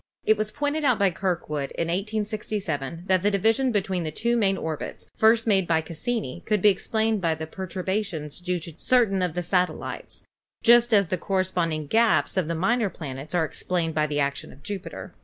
It was pointed out by Kirkwood in 1867 tnat tne division between the two main orbits, first made by Cassini, could be explained by the perturba tions due to certain of the satellites, just as the corre sponding gaps of the minor planets are explained by the action of Jupiter.